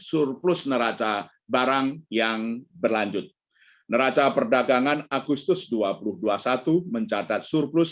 surplus neraca barang yang berlanjut neraca perdagangan agustus dua ribu dua puluh satu mencatat surplus